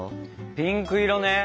ピンク色ね。